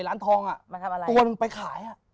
ตัวนึงไปขาย